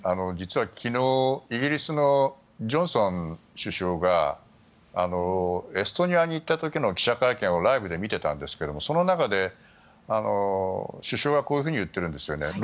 実は昨日イギリスのジョンソン首相がエストニアに行った時の記者会見をライブで見ていたんですがその中で、首相がこういうふうに言ってるんですよね。